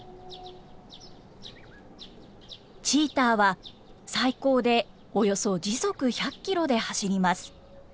チーターは最高でおよそ時速１００キロで走ります。